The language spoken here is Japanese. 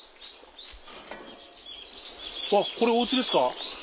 あこれおうちですか？